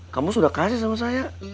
kamu sudah kasih sama saya